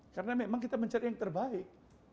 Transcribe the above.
karena memang kita mencari yang terbaik